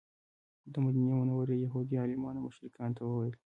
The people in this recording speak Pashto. د مدینې منورې یهودي عالمانو مشرکانو ته وویل.